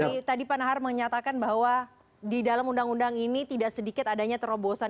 jadi tadi pak nahar menyatakan bahwa di dalam undang undang ini tidak sedikit adanya terobosan